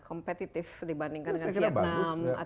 kompetitif dibandingkan dengan vietnam atau thailand